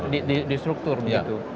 di struktur begitu